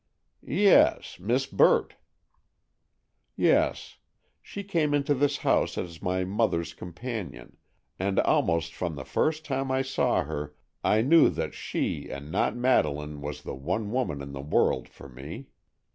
"Yes; Miss Burt." "Yes. She came into this house as my mother's companion, and almost from the first time I saw her I knew that she and not Madeleine was the one woman in the world for me.